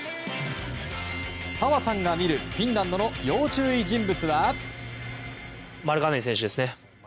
サワさんが見るフィンランドの要注意人物は。